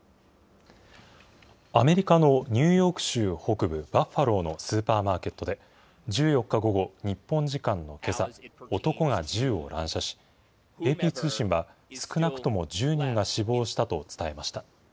アメリカのニューヨーク州北部バッファローのスーパーマーケットで、１４日午後、日本時間のけさ、男が銃を乱射し、ＡＰ通信は、少なくとも１０人が死亡したと伝えました。